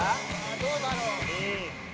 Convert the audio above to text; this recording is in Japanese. どうだろう？